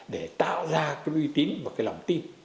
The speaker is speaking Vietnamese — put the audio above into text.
để tạo ra cái uy tín và cái lòng tin